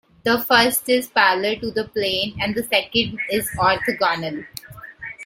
The first is parallel to the plane, the second is orthogonal.